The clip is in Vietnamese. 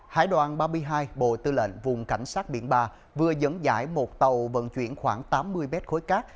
hải đoàn ba mươi hai bộ tư lệnh vùng cảnh sát biển ba vừa dẫn dãi một tàu vận chuyển khoảng tám mươi mét khối cát